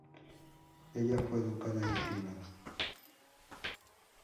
Ella fue educada en privado.